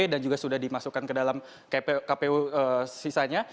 dan juga sudah dimasukkan ke dalam kpu sisanya